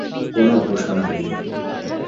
কোনও ঘোষণা নেই।